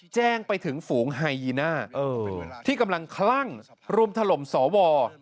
แจ้งไปถึงฝูงไฮยีน่าที่กำลังคลั่งรุมถล่มสว